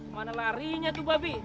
mana larinya tuh babi